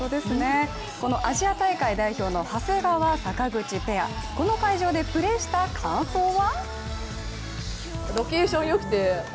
このアジア大会代表の長谷川・坂口ペア、この会場でプレーした感想は？